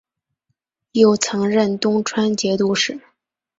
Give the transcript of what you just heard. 又曾任东川节度使。